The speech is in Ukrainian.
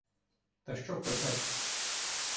Та що казати.